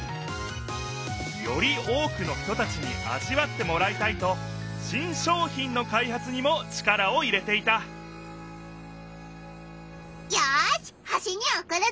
より多くの人たちにあじわってもらいたいと新商品の開発にも力を入れていたよし星におくるぞ！